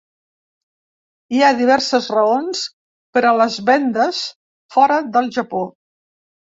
Hi ha diverses raons per a les vendes fora del Japó.